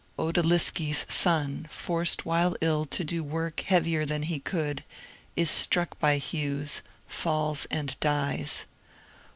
Outaliski's son, forced while ill to do work heavier than he could, is struck by Hughes, falls, and dies.